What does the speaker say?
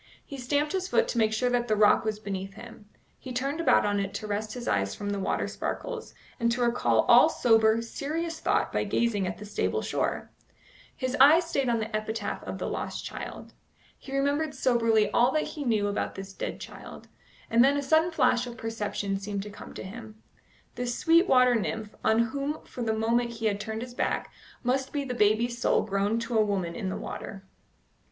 He stamped his foot to make sure that the rock was beneath him; he turned about on it to rest his eyes from the water sparkles, and to recall all sober, serious thought by gazing at the stable shore. His eye stayed on the epitaph of the lost child. He remembered soberly all that he knew about this dead child, and then a sudden flash of perception seemed to come to him. This sweet water nymph, on whom for the moment he had turned his back, must be the baby's soul grown to a woman in the water.